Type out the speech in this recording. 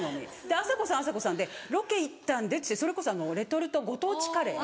あさこさんはあさこさんで「ロケ行ったんで」っつってそれこそレトルトご当地カレー。